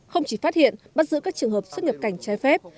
không chỉ phát hiện bắt giữ các trường hợp xuất nhập cảnh trái phép